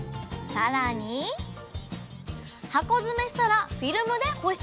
更に箱詰めしたらフィルムで保湿。